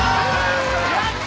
やった！